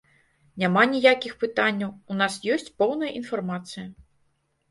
Няма ніякіх пытанняў, у нас ёсць поўная інфармацыя.